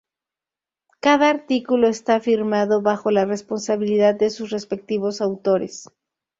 Cada artículo está firmado bajo la responsabilidad de sus respectivos autores.